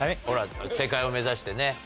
正解を目指してね